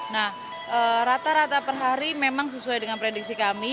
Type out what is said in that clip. nah rata rata per hari memang sesuai dengan prediksi kami